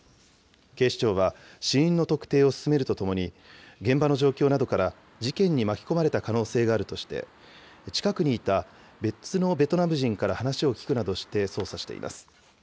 警視庁は、死因の特定を進めるとともに、現場の状況などから、事件に巻き込まれた可能性があるとして、近くにいた別のベトナム人から話を聴くなどして捜査しています。